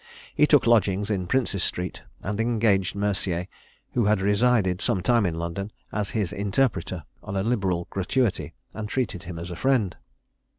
He took lodgings in Prince's street, and engaged Mercier, who had resided some time in London, as his interpreter, on a liberal gratuity, and treated him as a friend.